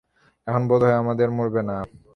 এখন বোধহয় আর আমাদের মারবে না।